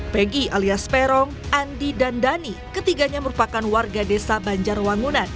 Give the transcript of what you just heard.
peggy alias perong andi dan dani ketiganya merupakan warga desa banjarwangunan